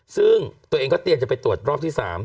ซึ่งตัวเองก็เตรียมจะไปตรวจรอบที่๓